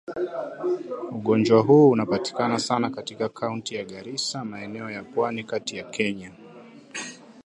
Ugonjwa huu unapatikana sana katika Kaunti ya Garissa maeneo ya Pwani Kati ya Kenya